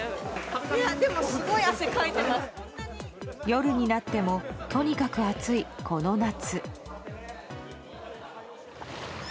夜になってもとにかく暑い、この夏。